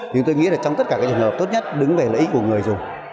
nhưng tôi nghĩ là trong tất cả các trường hợp tốt nhất đứng về lợi ích của người dùng